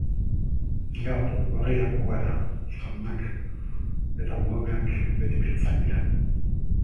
Gaur, gorriak gu gara, euskaldunak, eta buhameak beti beltzak dira.